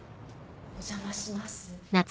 お邪魔します。